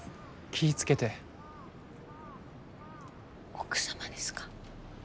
奥様ですか？